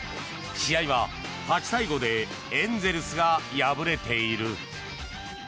試合は８対５でエンゼルスが敗れている。